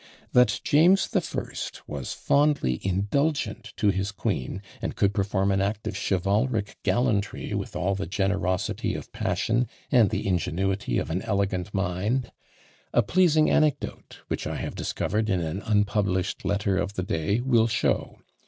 That James the First was fondly indulgent to his queen, and could perform an act of chivalric gallantry with all the generosity of passion, and the ingenuity of an elegant mind, a pleasing anecdote which I have discovered in an unpublished letter of the day will show.